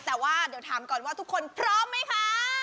แต่ว่าเดี๋ยวถามก่อนว่าทุกคนพร้อมไหมคะ